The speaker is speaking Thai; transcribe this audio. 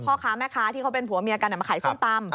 พ่อค้าแม่ค้าที่เขาเป็นผัวเมียกันมาขายส้มตำ